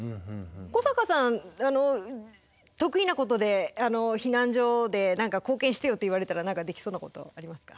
古坂さん得意なことで避難所で何か貢献してよって言われたら何かできそうなことありますか？